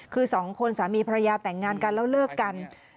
คือสองคนสามีภรรยาแต่งงานกันแล้วเลิกกัน